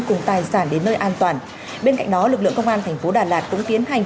cùng tài sản đến nơi an toàn bên cạnh đó lực lượng công an thành phố đà lạt cũng tiến hành